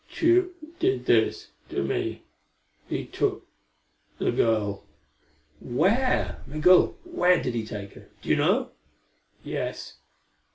"Tugh did this to me. He took the girl." "Where? Migul, where did he take her? Do you know?" "Yes.